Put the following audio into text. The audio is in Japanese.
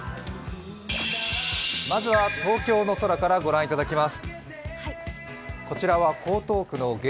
まずは東京の空から御覧いただきます。